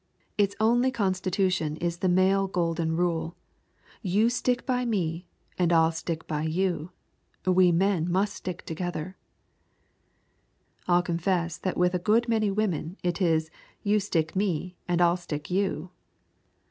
Its only constitution is the male Golden Rule "You stick by me and I'll stick by you." "We men must stick together." I'll confess that with a good many women it is, "You stick me and I'll stick you."